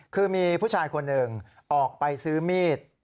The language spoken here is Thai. คือมีผู้ชายคนหนึ่งออกไปซื้อมีด